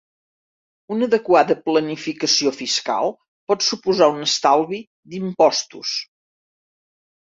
Una adequada planificació fiscal pot suposar un estalvi d'impostos.